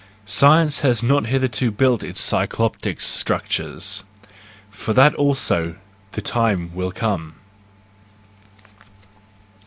Science has not hitherto built its Cyclopic structures; for that also the time will come.